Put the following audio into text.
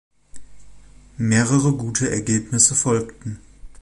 Mehrere gute Ergebnisse folgten.